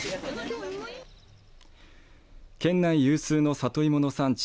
県内有数の里芋の産地